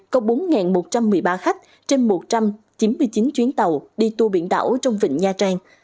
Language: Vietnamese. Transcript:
có bốn một trăm một mươi ba khách trên một trăm chín mươi chín chuyến tàu đi tour biển đảo trong vịnh nha trang